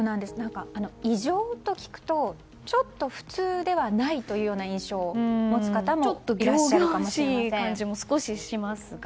異常と聞くとちょっと普通ではないというような印象を持つ方もいらっしゃるかもしれませんが。